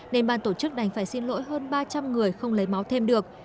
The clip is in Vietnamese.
nên ban tổ chức đành phải xin lỗi hơn ba trăm linh người không lấy máu thêm được